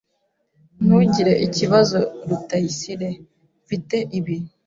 Ntugire ikibazo Rutayisire. Mfite ibi.